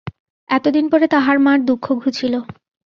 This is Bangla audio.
এতদিন পরে তাহার মার দুঃখ ঘুচিল।